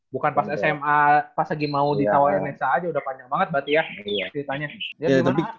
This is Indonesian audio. bukan pas sma pas lagi mau ditawa sk aja udah panjang banget mbak tia ceritanya